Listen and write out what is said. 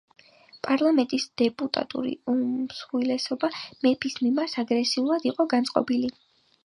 პარლამენტის დეპუტატების უმრავლესობა მეფის მიმართ აგრესიულად იყო განწყობილი.